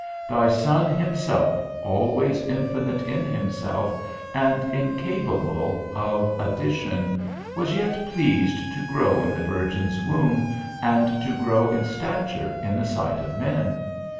Thy Son himself, always infinite in himself, and incapable of addition, was yet pleased to grow in the Virgin's womb, and to grow in stature in the sight of men.